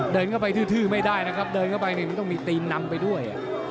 เดินเข้าไปทื้อไม่ได้ต้องมีตีนน้ำไปด้วย